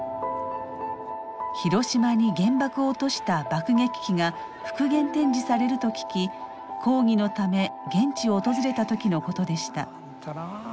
広島に原爆を落とした爆撃機が復元展示されると聞き抗議のため現地を訪れた時のことでした。